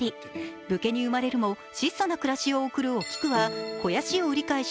武家に生まれるも質素な暮らしを送るおきくは肥やしを売り買いし、